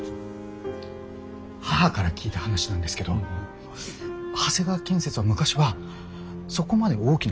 母から聞いた話なんですけど長谷川建設は昔はそこまで大きな会社ではなくて。